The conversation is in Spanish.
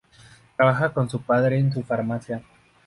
Trabaja con su padre en su farmacia.